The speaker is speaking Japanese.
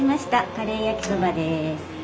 カレー焼きそばです。